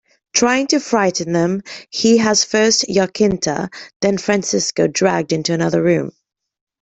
Trying to frighten them, he has first Jacinta, then Francisco dragged into another room.